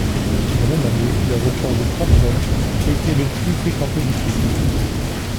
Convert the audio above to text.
La même année, l'aéroport de Trabzon était le le plus fréquenté du pays.